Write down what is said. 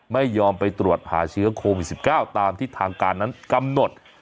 ไม่ยอมไปตรวจหาเชื้อโควิด๑๙ตามที่ทางการนั้นกำหนด